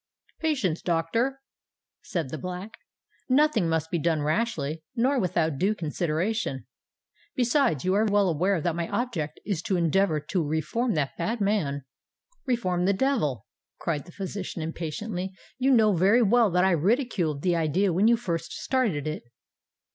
"Patience, doctor," said the Black: "nothing must be done rashly nor without due consideration. Besides, you are well aware that my object is to endeavour to reform that bad man——" "Reform the devil!" cried the physician impatiently. "You know very well that I ridiculed the idea when you first started it."